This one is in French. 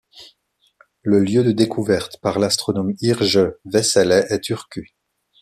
Le lieu de découverte, par l'astronome Yrjö Väisälä, est Turku.